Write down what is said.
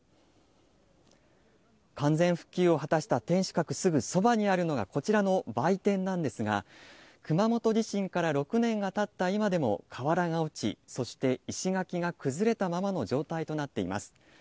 完全復旧を果たした天守閣すぐそばにあるのが、こちらの売店なんですが、熊本地震から６年がたった今でも、瓦が落ち、そして石垣が崩れたままの状態となっています。